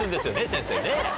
先生ねぇ。